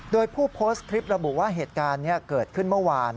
โดยผู้โพสต์คลิประบุว่าเหตุการณ์นี้เกิดขึ้นเมื่อวาน